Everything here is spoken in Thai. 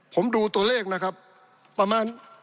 ปี๑เกณฑ์ทหารแสน๒